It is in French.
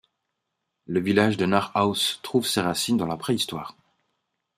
Le village de Nordhouse trouve ses racines dans la préhistoire.